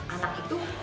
agar hidup terus